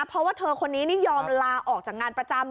เพราะว่าเธอคนนี้นี่ยอมลาออกจากงานประจำ